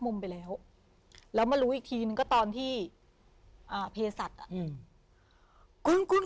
มุมไปแล้วแล้วมารู้อีกทีนึงก็ตอนที่อ่าเพศสัตว์อ่ะอืมกุ้ง